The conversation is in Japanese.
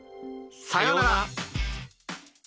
さようなら。